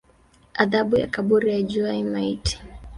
Adhabu ya kaburi aijua maiti